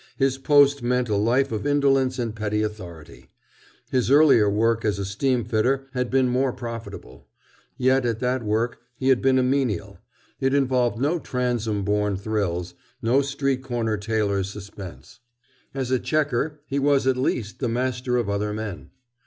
His post meant a life of indolence and petty authority. His earlier work as a steamfitter had been more profitable. Yet at that work he had been a menial; it involved no transom born thrills, no street corner tailer's suspense. As a checker he was at least the master of other men.